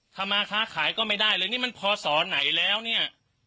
ถ้ามาค้าขายก็ไม่ได้เลยนี่มันพอสอไหนแล้วเนี่ย